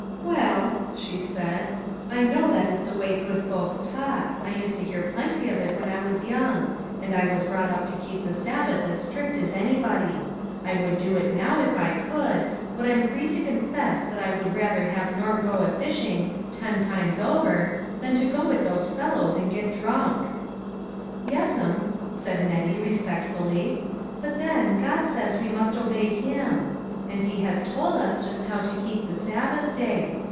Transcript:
" Well," she said, " I know that is the way good folks talk ; I used to hear plenty of it when I was young ; and I was brought up to keep the Sabbath as strict as anybody ; I would do it now if I could ; but I'm free to confess that I would rather have Norm go a fishing, ten times over, than to go with those fellows and get drunk." " Yes'm," said Nettie, respectfully. " But then, God says we must obey him ; and he has told us just how to keep the Sabbath day.